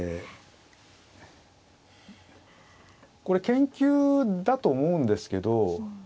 これ研究だと思うんですけど。